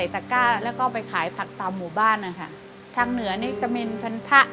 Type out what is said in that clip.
ทำอะไรบ้างครับวันหนึ่ง